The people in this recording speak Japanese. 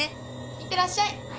いってらっしゃい。